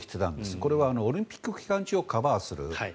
これはオリンピック期間中をカバーする。